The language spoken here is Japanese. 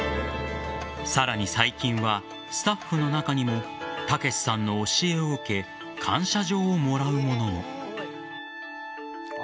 さらに最近は、スタッフの中にも剛さんの教えを受け感謝状をもらう者も。